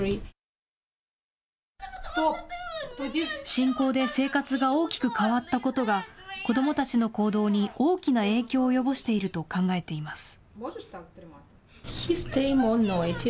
侵攻で生活が大きく変わったことが子どもたちの行動に大きな影響を及ぼしていると考えています。